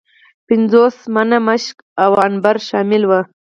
پنځوس منه مشک او عنبر شامل وه.